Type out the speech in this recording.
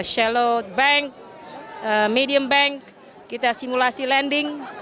shellow bank medium bank kita simulasi landing